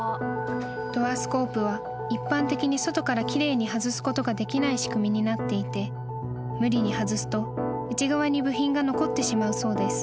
［ドアスコープは一般的に外から奇麗に外すことができない仕組みになっていて無理に外すと内側に部品が残ってしまうそうです］